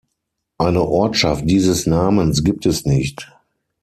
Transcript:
Eine Ortschaft dieses Namens gibt es nicht.